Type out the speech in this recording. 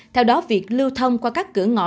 theo đó việc lưu thông qua các cửa ngõ